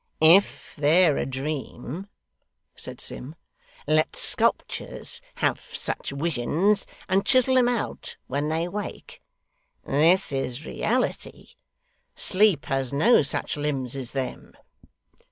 'If they're a dream,' said Sim, 'let sculptures have such wisions, and chisel 'em out when they wake. This is reality. Sleep has no such limbs as them.